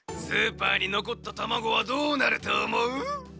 スーパーにのこったたまごはどうなるとおもう？